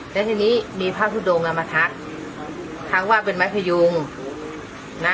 และทีนี้มีภาพทุดโดงอ่ะมาทักทั้งว่าเป็นไม้พยุงน่ะ